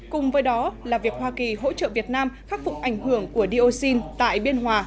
cùng với đó là việc hoa kỳ hỗ trợ việt nam khắc phục ảnh hưởng của dioxin tại biên hòa